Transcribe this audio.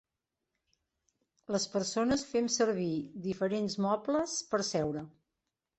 Les persones fem servir diferents mobles per seure.